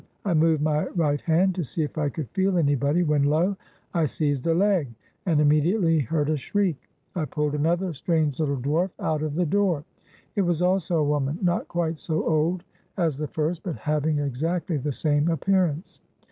I moved rmy right hand to see if I could feel anybody, when, lo ! I seized a leg, and immediately heard a shriek. I pulled another strange little dwarf out of the door. It was also 411 WESTERN AND CENTRAL AFRICA a woman, not quite so old as the first, but having exactly the same appearance.